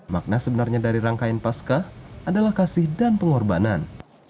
makna sebenarnya dari rangkaian pasca adalah kasih dan pengorbanan